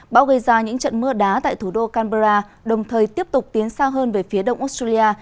bão gây ra những trận mưa đá tại thủ đô canberra đồng thời tiếp tục tiến xa hơn về phía đông australia